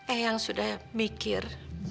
eang sudah mikir